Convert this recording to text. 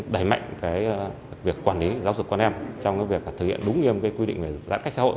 đẩy mạnh việc quản lý giáo dục con em trong việc thực hiện đúng nghiêm quy định về giãn cách xã hội